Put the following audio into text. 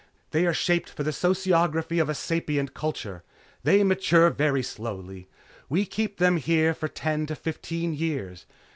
They are shaped for the sociography of a sapient culture. They mature very slowly. We keep them here for from ten to fifteen years.